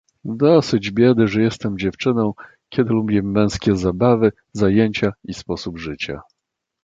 "Dosyć biedy, że jestem dziewczyną, kiedy lubię męskie zabawy, zajęcia i sposób życia."